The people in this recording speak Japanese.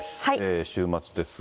週末ですが。